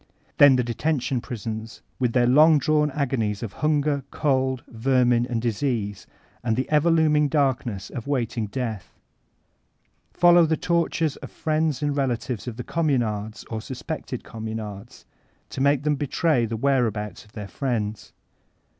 Then the detention prisons, with their long drawn agonies of hunger, cold, vermin, and disease, and the ever looming darkness of waiting death. Follow the tor tures of friends and relatives of Communards or sus pected Communards, to make them betray the where abouts of their friends.